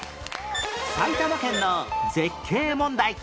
埼玉県の絶景問題